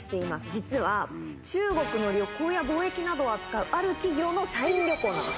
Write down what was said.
実は、中国の旅行や貿易などを扱う会社の社員旅行なんです。